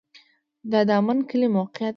د دامن کلی موقعیت